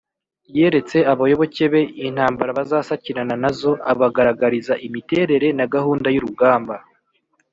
yeretse abayoboke be intambara bazasakirana na zo; abagaragariza imiterere na gahunda y’urugamba